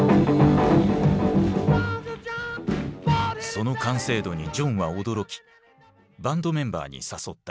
その完成度にジョンは驚きバンドメンバーに誘った。